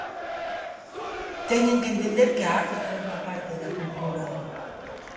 Teñen que entender que a arte forma parte da cultura.